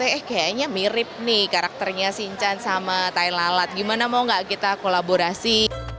eh kayaknya mirip nih karakternya sinchan sama tahila lats gimana mau gak kita kolaborasi